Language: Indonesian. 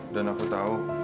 dan aku tahu